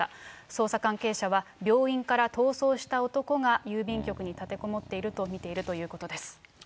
捜査関係者は、病院から逃走した男が、郵便局に立てこもっていると見ているということです。